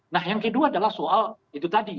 nah yang kedua adalah soal itu tadi